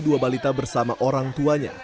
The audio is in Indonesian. dua balita bersama orang tuanya